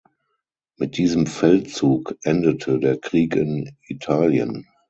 Mit diesem Feldzug endete der Krieg in Italien.